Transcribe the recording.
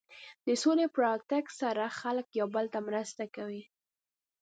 د سولې په راتګ سره خلک یو بل ته مرستې رسوي.